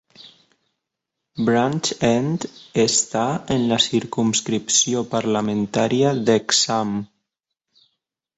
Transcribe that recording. Branch End està en la circumscripció parlamentària d'Hexham.